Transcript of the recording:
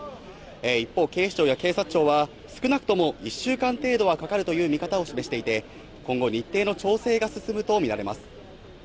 一方、警視庁や警察庁は、少なくとも１週間程度はかかるという見方を示していて、今後、日程の調整が進むと見られます。